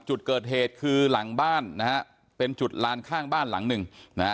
จุดเกิดเหตุคือหลังบ้านนะฮะเป็นจุดลานข้างบ้านหลังหนึ่งนะฮะ